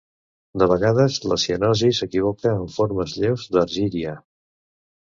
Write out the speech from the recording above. De vegades, la cianosi s'equivoca en formes lleus d'argíria.